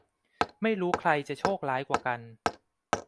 ไม่รู้ใครจะโชคร้ายกว่ากัน